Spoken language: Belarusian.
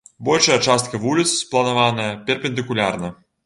Большая частка вуліц спланаваная перпендыкулярна.